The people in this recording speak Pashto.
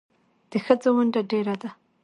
د ښځو ونډه ډېره ده